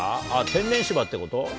天然芝ってこと？